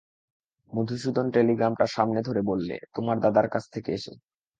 মধুসূদন টেলিগ্রামটা সামনে ধরে বললে, তোমার দাদার কাছ থেকে এসেছে।